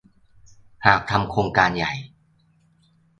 หากทำโครงการใหญ่